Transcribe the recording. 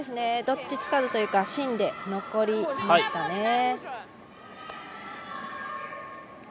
どっちつかずというか芯で残りましたね。